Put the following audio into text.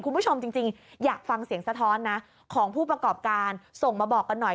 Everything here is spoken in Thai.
คุณผู้ชมจริงอยากฟังเสียงสะท้อนนะของผู้ประกอบการส่งมาบอกกันหน่อย